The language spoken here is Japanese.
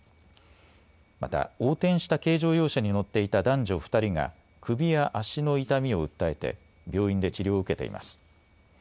また横転した軽乗用車に乗っていた男女２人が首や足の痛みを訴えて病院で治療を受けています。